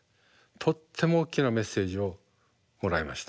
とっても大きなメッセージをもらいました。